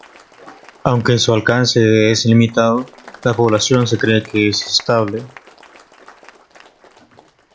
Aunque su alcance es limitado, la población se cree que es estable.